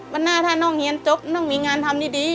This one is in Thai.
วันหน้าถ้าน้องเรียนจบน้องมีงานทำดี